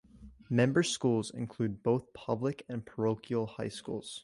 Member schools include both public and parochial high schools.